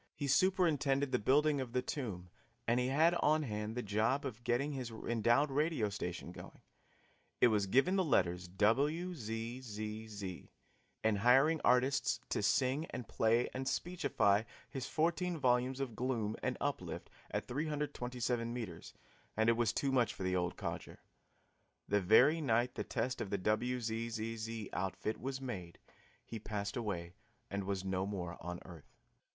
He superintended the building of the tomb and he had on hand the job of getting his endowed radio station going it was given the letters WZZZ and hiring artists to sing and play and speechify his fourteen volumes of gloom and uplift at 327 meters, and it was too much for the old codger. The very night the test of the WZZZ outfit was made he passed away and was no more on earth.